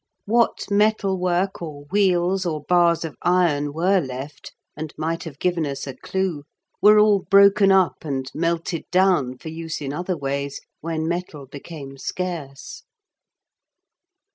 What metal work or wheels or bars of iron were left, and might have given us a clue, were all broken up and melted down for use in other ways when metal became scarce.